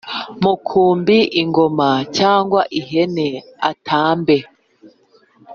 mukumbi intama cyangwa ihene atambe